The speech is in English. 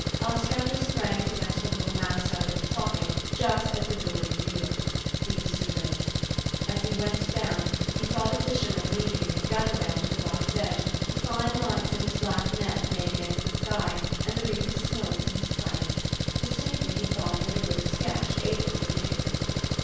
Ostrander sprang to wrench the little mast out of its socket just as the dory reeled. He was too late. As he went down, he saw the fisherman leaning, gunwale to the water's edge, the fine lines that his black net made against the sky, and the wreath of smoke from his pipe. Distinctly he thought what a good sketch Avis would make of it.